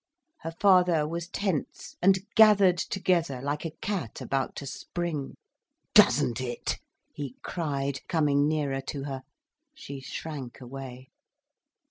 Her father was tense and gathered together like a cat about to spring. "Doesn't it?" he cried, coming nearer to her. She shrank away.